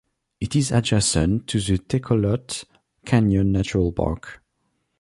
It is adjacent to the Tecolote Canyon Natural Park.